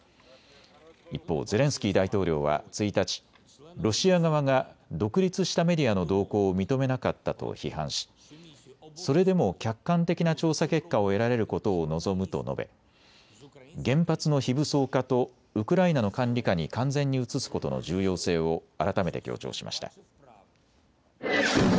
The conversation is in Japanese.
一方、ゼレンスキー大統領は１日、ロシア側が独立したメディアの同行を認めなかったと批判しそれでも客観的な調査結果を得られることを望むと述べ、原発の非武装化とウクライナの管理下に完全に移すことの重要性を改めて強調しました。